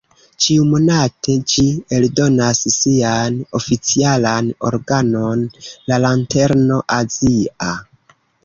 Ĉiumonate ĝi eldonas sian oficialan organon "La Lanterno Azia".